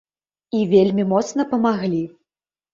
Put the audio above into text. І вельмі моцна памаглі.